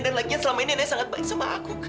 dan laginya selama ini nenek sangat baik sama aku kan